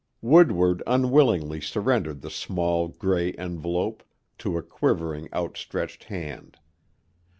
Woodward unwillingly surrendered the small, gray envelope to a quivering, outstretched hand.